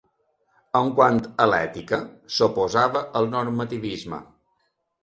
En quant a l'ètica, s'oposava al normativisme.